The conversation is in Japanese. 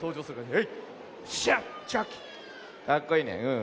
かっこいいねうん。